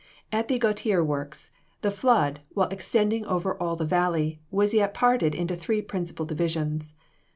At the Gautier Works, the flood, while extending over all the valley, was yet parted into three principal divisions.